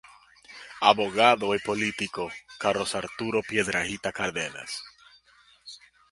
Abogado y Político: "Carlos Arturo Piedrahíta Cárdenas.